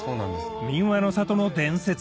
民話の里の伝説